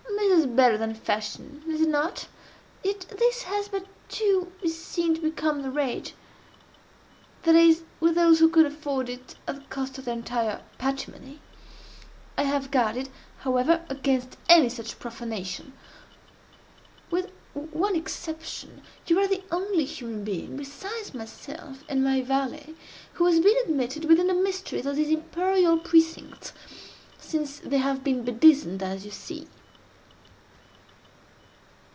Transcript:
This is better than fashion—is it not? Yet this has but to be seen to become the rage—that is, with those who could afford it at the cost of their entire patrimony. I have guarded, however, against any such profanation. With one exception, you are the only human being besides myself and my valet, who has been admitted within the mysteries of these imperial precincts, since they have been bedizened as you see!"